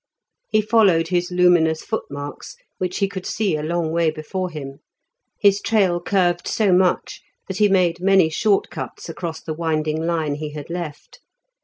He followed his luminous footmarks, which he could see a long way before him. His trail curved so much that he made many short cuts across the winding line he had left.